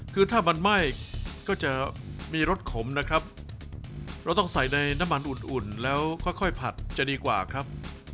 คือถ้ามันไหม้ก็จะมีรสขมนะครับเราต้องใส่ในน้ำมันอุ่นแล้วค่อยผัดจะดีกว่าครับ